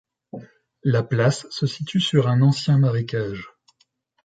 La place se situe sur un ancien marécage.